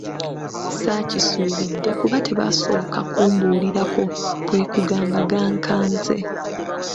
Saakisuubidde kuba tebaasooka kumbuulirako, kwe kugamba gankanze.